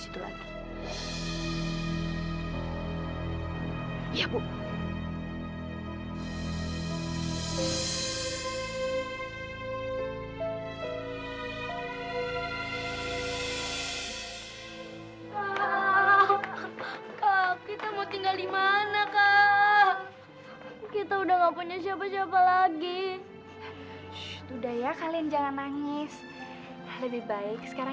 ini rumah aini juga bu risma